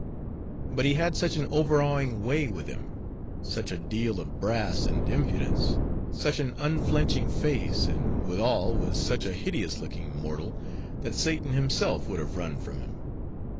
But he had such an overawing way with him; such a deal of brass and impudence, such an unflinching face, and withal was such a hideous looking mortal, that Satan himself would have run from him.